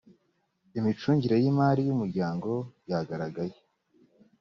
imicungire y imari y umuryango yagaragaye